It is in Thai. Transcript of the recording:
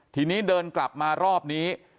ทีนี้เดินกลับมารอบนี้